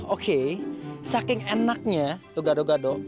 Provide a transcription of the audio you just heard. oke saking enaknya tuh gara gara